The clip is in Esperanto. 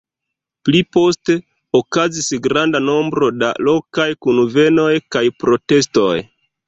Pli poste, okazis granda nombro da lokaj kunvenoj kaj protestoj.